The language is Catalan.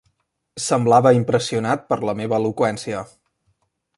Semblava impressionat per la meva eloqüència.